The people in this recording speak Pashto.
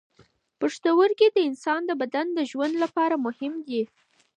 پښتورګي د انسان د بدن د ژوند لپاره مهم دي.